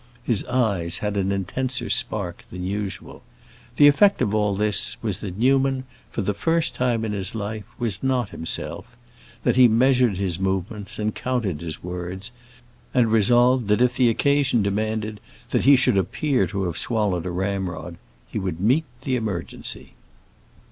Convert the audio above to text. His eyes had an intenser spark than usual. The effect of all this was that Newman, for the first time in his life, was not himself; that he measured his movements, and counted his words, and resolved that if the occasion demanded that he should appear to have swallowed a ramrod, he would meet the emergency.